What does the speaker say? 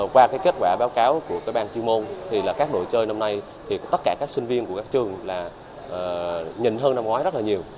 qua kết quả báo cáo của ban chuyên môn các đội chơi năm nay tất cả các sinh viên của các trường nhìn hơn năm ngoái rất nhiều